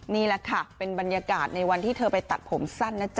นี่แหละค่ะเป็นบรรยากาศในวันที่เธอไปตัดผมสั้นนะจ๊